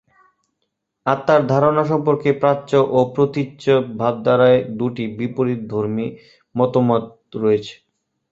আত্মার ধারণা সম্পর্কে প্রাচ্য ও প্রতীচ্য ভাবধারায় দুটি বিপরীতধর্মী মতামত রয়েছে।